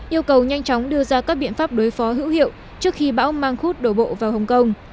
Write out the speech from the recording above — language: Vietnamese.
yêu cầu nhanh chóng đưa ra các biện pháp đối phó hữu hiệu trước khi bão mang khúc đổ bộ vào hồng kông